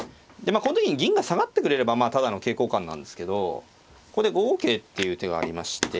まあこの時に銀が下がってくれればただの桂交換なんですけどここで５五桂っていう手がありまして。